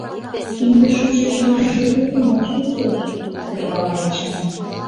Кинде шочеш гын, тӱр воктенат шочеш, — сӧрвала Эчан.